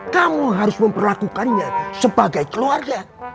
kamu harus memperlakukannya sebagai keluarga